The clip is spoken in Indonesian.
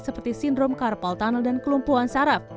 seperti sindrom karpal tunnel dan kelumpuhan saraf